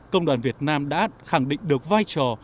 công đoàn việt nam đã khẳng định được vai trò